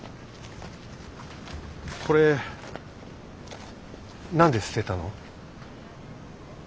これ何で捨てたの？